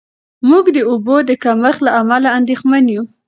موږ د اوبو د کمښت له امله اندېښمن یو.